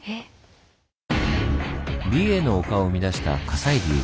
美瑛の丘を生み出した火砕流。